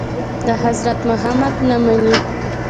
د حضرت محمد نه مني.